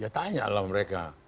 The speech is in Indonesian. ya tanya lah mereka